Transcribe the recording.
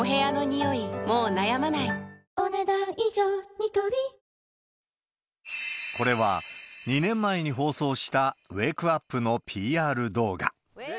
ニトリこれは、２年前に放送したウェークアップのＰＲ動画。